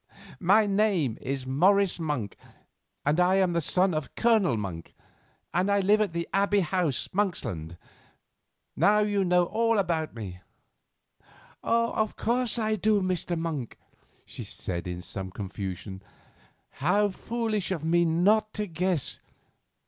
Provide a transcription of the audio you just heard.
My name is Morris Monk, and I am the son of Colonel Monk, and live at the Abbey House, Monksland. Now you know all about me." "Oh! of course I do, Mr. Monk," she said in some confusion, "how foolish of me not to guess.